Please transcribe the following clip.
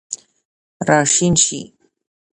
راشین شي